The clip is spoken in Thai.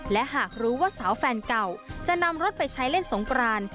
และหากรู้ว่าสาวแฟนเก่าจะนำรถไปใช้เล่นสงกราน